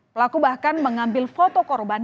pelaku bahkan mengambil foto korban